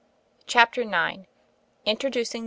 CHAPTER IX INTRODUCING MR.